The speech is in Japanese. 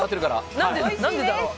何でだろう。